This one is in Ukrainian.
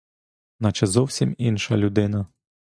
Наче зовсім інша людина.